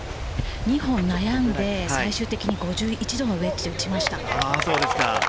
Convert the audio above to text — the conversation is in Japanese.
２本悩んで、最終的に５１度のウエッジを打ちました。